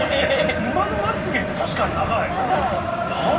馬のまつ毛って確かに長い。